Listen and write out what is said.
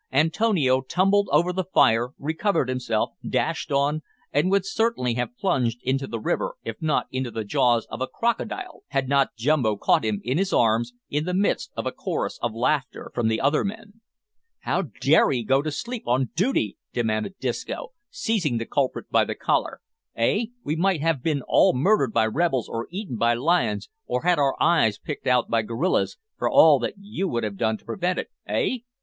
Antonio tumbled over the fire, recovered himself, dashed on, and would certainly have plunged into the river, if not into the jaws of a crocodile, had not Jumbo caught him in his arms, in the midst of a chorus of laughter from the other men. "How dare 'ee go to sleep on dooty?" demanded Disco, seizing the culprit by the collar, "eh! we might have bin all murdered by rebels or eaten by lions, or had our eyes picked out by gorillas, for all that you would have done to prevent it eh?"